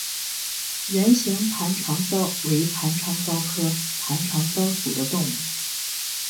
圆形盘肠蚤为盘肠蚤科盘肠蚤属的动物。